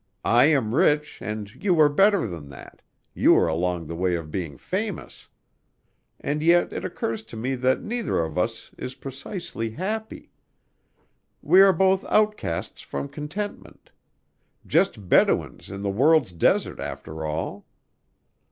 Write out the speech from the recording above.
I am rich and you are better than that you are along the way of being famous. And yet it occurs to me that neither of us is precisely happy. We are both outcasts from contentment just Bedouins in the world's desert, after all."